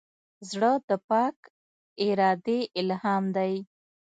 زړه د پاک ارادې الهام دی.